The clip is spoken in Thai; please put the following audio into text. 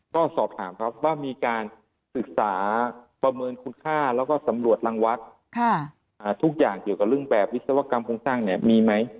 ก็สอบถามครับว่ามีการศึกษาประเมินคุณค่าแล้วก็สำรวจรังวัดทุกอย่างเกี่ยวกับเรื่องแบบวิศวกรรมโครงสร้างเนี่ยมีไหม